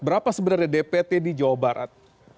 berapa sebenarnya dpt di jawa barat